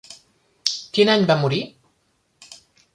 Quin any va morir?